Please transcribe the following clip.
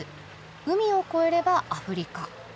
海を越えればアフリカ。